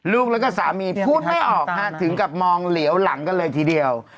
ลูกแล้วก็สามีพูดไม่ออกถึงกับมองเหลียวหลังกันเลยทีเดียว